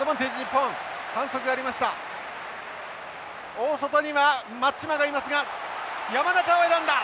大外には松島がいますが山中を選んだ！